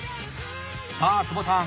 さあ久保さん